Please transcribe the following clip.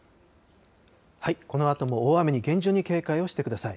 このあとも大雨に厳重に警戒をしてください。